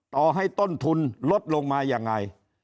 ต่อให้ต้นทุนลดลงมายังไง